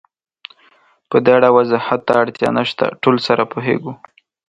پدې اړه وضاحت ته اړتیا نشته، ټول سره پوهېږو.